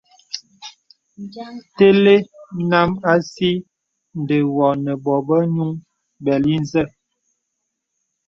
Tə̀lə nàm àsi nde wô ne bobə̄ yūŋ bəli nzə.